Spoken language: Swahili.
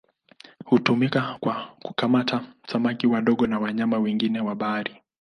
Hutumika kwa kukamata samaki wadogo na wanyama wengine wa bahari.